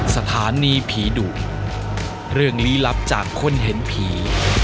สถานีผีดุเรื่องลี้ลับจากคนเห็นผี